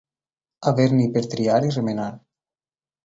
Haver-n'hi per triar i remenar.